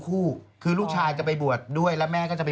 ไม่ลูกชายนี่แหละ